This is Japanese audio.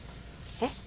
えっ？